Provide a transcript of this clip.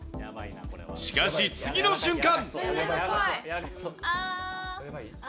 しかし、次の瞬間。